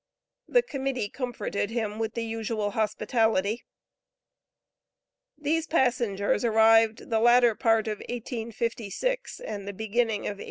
The Committee comforted him with the usual hospitality. These passengers arrived the latter part of 1856 and the beginning of 1857.